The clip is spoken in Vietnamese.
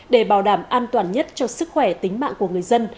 để bảo đảm an toàn nhất cho sức khỏe tính mạng của người dân